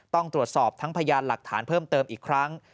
ต้องตรวจสอบทั้งพยานหลักฐานเพิ่มเติมอีกครั้ง